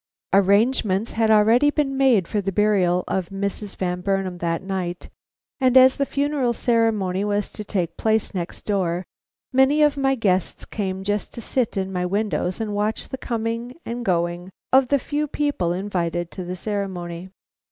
Arrangements had already been made for the burial of Mrs. Van Burnam that night, and as the funeral ceremony was to take place next door, many of my guests came just to sit in my windows and watch the coming and going of the few people invited to the ceremony.